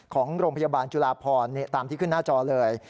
ของโรงพยาบาลจุลาพรตามที่ขึ้นหน้าจอเลย